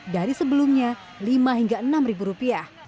dari sebelumnya lima hingga enam ribu rupiah